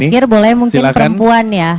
terakhir boleh mungkin perempuan ya